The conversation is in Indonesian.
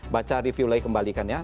baca review lagi kembalikan ya